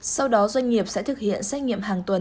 sau đó doanh nghiệp sẽ thực hiện xét nghiệm hàng tuần